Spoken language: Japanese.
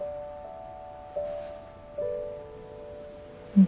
うん。